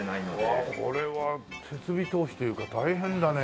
うわこれは設備投資というか大変だね。